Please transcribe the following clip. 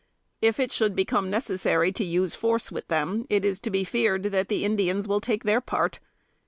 If it should become necessary to use force with them, it is to be feared that the Indians will take their part.